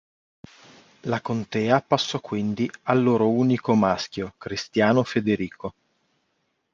La contea passò quindi al loro unico maschio Cristiano Federico.